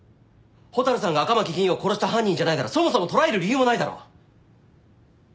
蛍さんが赤巻議員を殺した犯人じゃないならそもそも捕らえる理由もないだろう。